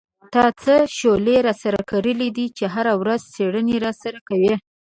تا څه شولې را سره کرلې دي چې هره ورځ څېړنه را سره کوې.